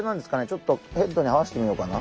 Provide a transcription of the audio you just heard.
ちょっとヘッドにはわせてみようかな？